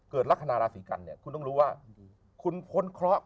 ลักษณะราศีกันเนี่ยคุณต้องรู้ว่าคุณพ้นเคราะห์